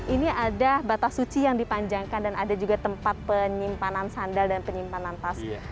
ini ada batas suci yang dipanjangkan dan ada juga tempat penyimpanan sandal dan penyimpanan tas